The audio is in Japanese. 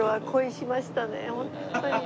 本当に。